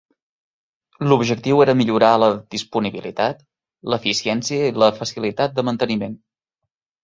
L'objectiu era millorar la disponibilitat, l'eficiència i la facilitat de manteniment.